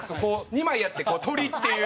２枚やってこう「鳥」っていう。